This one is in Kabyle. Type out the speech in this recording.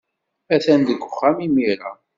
Atan deg uxxam imir-a.